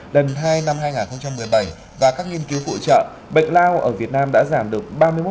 lần hai năm hai nghìn một mươi bảy và các nghiên cứu phụ trợ bệnh lao ở việt nam đã giảm được ba mươi một